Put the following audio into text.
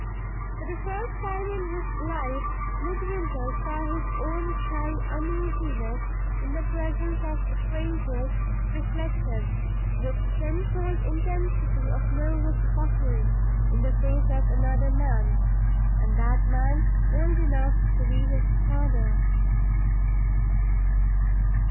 For the first time in his life, Midwinter saw his own shy uneasiness in the presence of strangers reflected, with tenfold intensity of nervous suffering, in the face of another man and that man old enough to be his father.